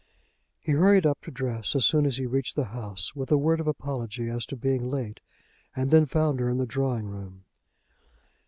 He hurried up to dress as soon as he reached the house, with a word of apology as to being late, and then found her in the drawing room.